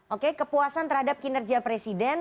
oke kepuasan terhadap kinerja presiden